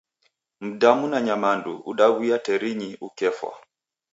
Mdamu na nyamandu udawuya terinyi ukefwa.